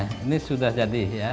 ini sudah jadi ya